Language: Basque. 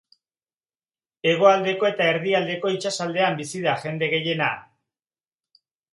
Hegoaldeko eta erdialdeko itsasaldean bizi da jende gehiena.